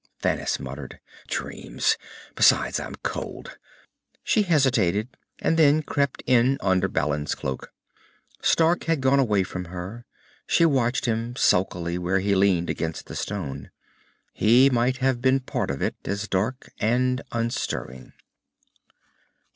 Thanis muttered, "Dreams! Besides, I'm cold." She hesitated, and then crept in under Balin's cloak. Stark had gone away from her. She watched him sulkily where he leaned upon the stone. He might have been part of it, as dark and unstirring.